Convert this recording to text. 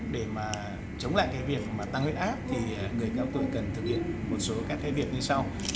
để chống lại việc tăng huyết áp thì người cao tuổi cần thực hiện một số các việc như sau